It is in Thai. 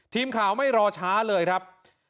ทีมข่าวไม่รอช้าเลยครับ